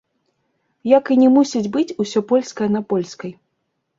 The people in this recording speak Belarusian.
Як і не мусіць быць усё польскае на польскай.